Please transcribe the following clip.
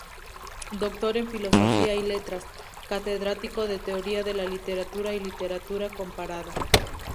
Doctor en Filosofía y Letras, catedrático de Teoría de la Literatura y Literatura Comparada.